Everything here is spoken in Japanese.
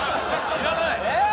いらない？